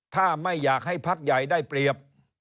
ถ้าไม่อยากให้พักใหญ่ได้เปรียบ